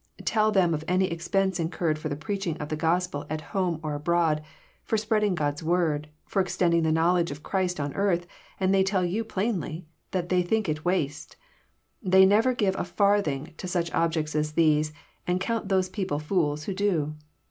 Tell them of any expense incurred for the preaching of the Gospel at home or abroad, for spreading God's Word, for extend ing the knowledge of Christ on earth, and they tell you plainly that they think it waste. They never give a farthing to such objects as these, and count those people fools who do.